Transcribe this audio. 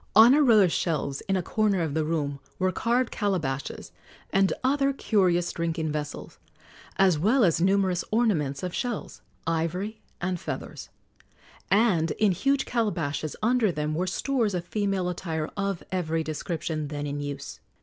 On a row of shelves in a corner of the room were carved calabashes and other curious drinking vessels, as well as numerous ornaments of shells, ivory and feathers; and in huge calabashes under them were stores of female attire of every description then in use.